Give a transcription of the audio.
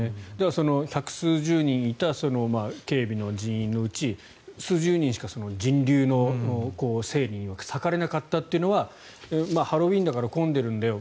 １００数十人いた警備の人員のうち数十人しか人流の整備には割かれなかったというのはハロウィーンだから混んでいるんだよ